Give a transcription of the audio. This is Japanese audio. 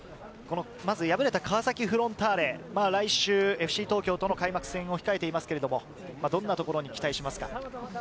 まず敗れた川崎フロンターレ、来週、ＦＣ東京との開幕戦を控えていますけれど、どんなところに期待しますか？